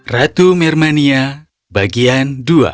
ratu mermania bagian dua